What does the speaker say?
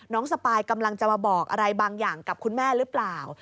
สปายกำลังจะมาบอกอะไรบางอย่างกับคุณแม่หรือเปล่า